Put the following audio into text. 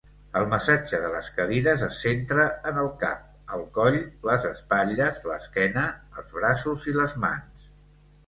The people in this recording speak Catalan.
El massatge de les cadires es centra en el cap, el coll, les espatlles, l'esquena, els braços i les mans.